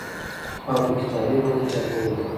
او په کتابي بڼه چاپول دي